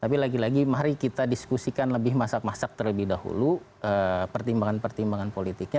tapi lagi lagi mari kita diskusikan lebih masak masak terlebih dahulu pertimbangan pertimbangan politiknya